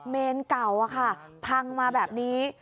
เมนเก่าพังมาแบบนี้